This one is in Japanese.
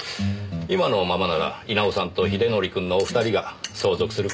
今のままなら稲尾さんと英則くんのお二人が相続する事になるでしょうねえ。